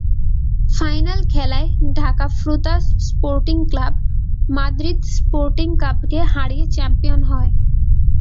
Final খেলায় ঢাকা ফ্রুতাস sporting club Madrid sporting ক্লাবকে হারিয়ে চ্যাম্পিয়ন হয়।